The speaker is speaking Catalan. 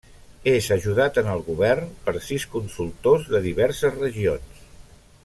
És ajudat en el govern per sis consultors de diverses regions.